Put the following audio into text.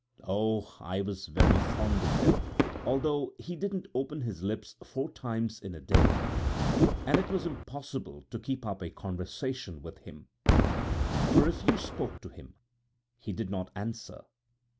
Oh! I was very fond of him, although he didn't open his lips four times in the day, and it was impossible to keep up a conversation with him. For if you spoke to him, he did not answer.